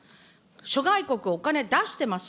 諸外国、お金出してます。